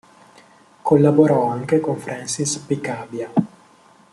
Collaborò anche con Francis Picabia.